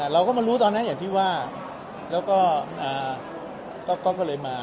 เราก็มารู้ตอนนั้นอย่างที่ว่าแล้วก็เลยมา